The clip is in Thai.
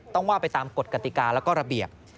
ต้องว่าไปตามกฎกติกาแล้วก็ระเบียบ